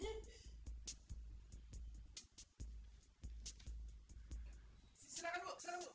silakan bu silakan bu